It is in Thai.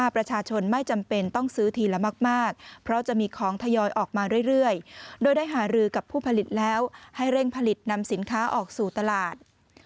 ประชาชนไม่จำเป็นต้องซื้อทีละมากเพราะจะมีของทยอยออกมาเรื่อยโดยได้หารือกับผู้ผลิตแล้วให้เร่งผลิตนำสินค้าออกสู่ตลาด